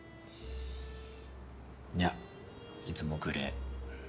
いやいつもグレー。